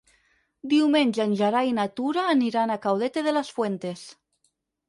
Diumenge en Gerai i na Tura aniran a Caudete de las Fuentes.